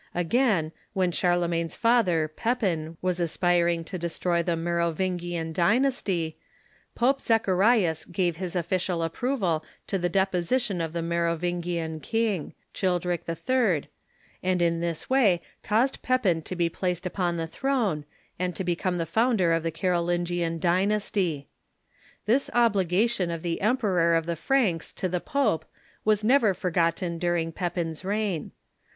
Again, when Charlemagne's father, Pepin, Avas aspiring to destroy the Merovingian dynast}^. Pope Zacharias gave his official approval to the deposition of the Merovingian king, Childeric HI., and in this way caused Pepin to be placed upon the throne, and to become the founder of the Carolin gian dynasty. This obligation of the Emperor of the Franks to the pope was never forgotten during Pepin's reign.